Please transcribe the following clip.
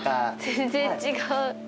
全然違う。